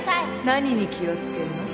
何に気を付けるの？